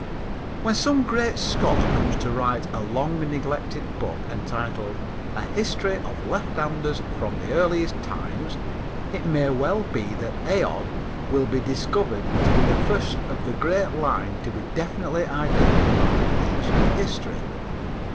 When some great scholar comes to write the long neglected book entitled A History of Lefthanders From the Earliest Times, it may well be that Aod will be discovered to be the first of the great line to be definitely identified in ancient history.